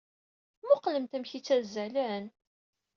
Mmuqqlemt amek ay ttazzalen!